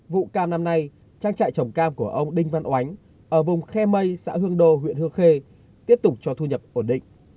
vụ cam năm nay trang trại trồng cam của ông đinh văn oánh ở vùng khe mây xã hương đô huyện hương khê tiếp tục cho thu nhập ổn định